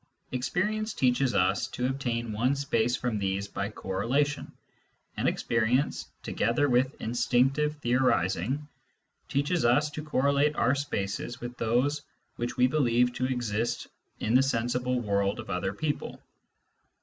Experience teaches us to obtain one space from these by correlation, and experience, together with instinctive theorising, teaches us to correlate our spaces with those which we believe to exist in the sensible worlds of other people.